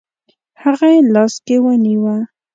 هغه یې لاس کې ونیوه.